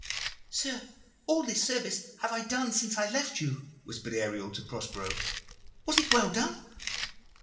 "Sir, all this service have I done since I left you," whispered Ariel to Prospero. "Was it well done?"